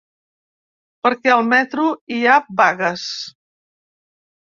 Perquè al metro hi ha vagues.